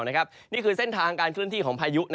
นี่คือเส้นทางการเคลื่อนที่ของพายุ